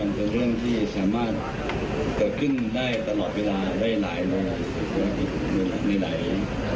มันเป็นเรื่องที่สามารถเกิดขึ้นได้ตลอดเวลาได้หลาย